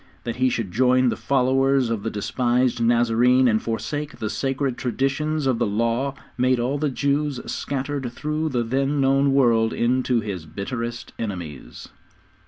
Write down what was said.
That he should join the followers of the despised Nazarene and forsake the sacred traditions of the Law made all the Jews scattered through the then known world into his bitterest enemies.